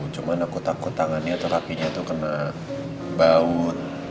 cuman aku takut tangannya atau kakinya tuh kena baut